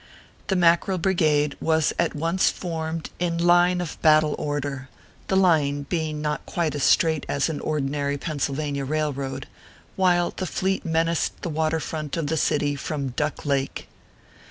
The Mackerel Brigade was at once formed in line 310 ORPHEUS C. KERR PAPERS. of battle order the line being not quite as straight as an ordinary Pennsylvania railroad while the fleet menaced the water front of the city from Duck Lake.